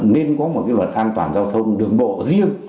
nên có một cái luật an toàn giao thông đường bộ riêng